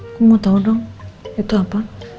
aku mau tahu dong itu apa